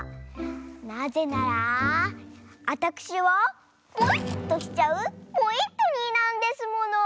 なぜならあたくしはポイっとしちゃうポイットニーなんですもの！